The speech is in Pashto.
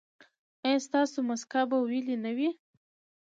ایا ستاسو مسکه به ویلې نه وي؟